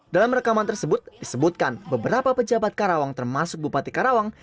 dalam rekaman tersebut disebutkan beberapa pejabat karawang termasuk bupati karawang